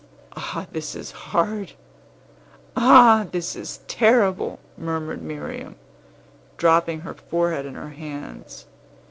"Ah, this is hard! Ah, this is terrible!" murmured Miriam, dropping her forehead in her hands.